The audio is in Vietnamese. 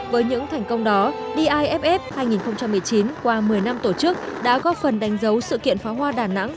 với những thành công đó diff hai nghìn một mươi chín qua một mươi năm tổ chức đã góp phần đánh dấu sự kiện pháo hoa đà nẵng